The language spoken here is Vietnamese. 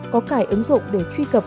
có cải ứng dụng để truy cập